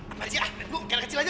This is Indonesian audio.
apa sih ah gue gila kecil aja